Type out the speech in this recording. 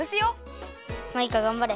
マイカがんばれ。